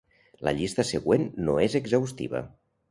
La llista següent no és exhaustiva.